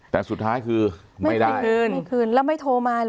แต่สุดท้ายคือไม่ได้คืนไม่คืนแล้วไม่โทรมาเหรอ